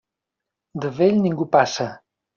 De vell ningú passa.